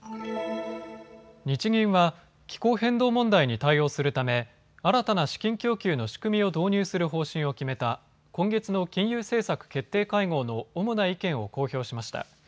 日銀は気候変動問題に対応するため新たな資金供給の仕組みを導入する方針を決めた今月の金融政策決定会合の主な意見を公表しました。